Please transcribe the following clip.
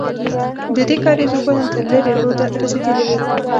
ددې کارېز اوبه ان تر لېرې روده رسېدلې وې.